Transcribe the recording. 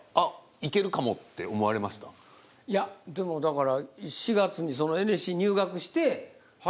いやでもだから４月にＮＳＣに入学して。